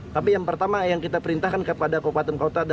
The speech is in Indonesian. tapi yang pertama yang kita perintahkan kepada kabupaten kota